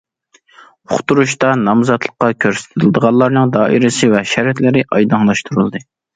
« ئۇقتۇرۇش» تا نامزاتلىققا كۆرسىتىلىدىغانلارنىڭ دائىرىسى ۋە شەرتلىرى ئايدىڭلاشتۇرۇلدى.